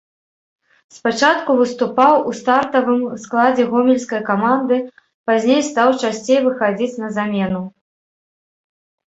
Спачатку выступаў у стартавым складзе гомельскай каманды, пазней стаў часцей выхадзіць на замену.